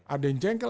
ada yang jengkel